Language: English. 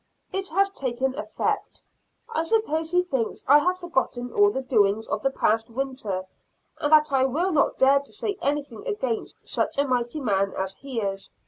It has taken effect. I suppose he thinks I have forgotten all the doings of the past winter, and that I will not dare to say anything against such a mighty man as he is.